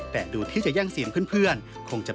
แต่ดูที่จะยั่งเสียงเพื่อน